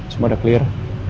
semua udah clear